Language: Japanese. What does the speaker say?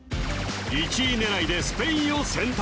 １位狙いでスペインを選択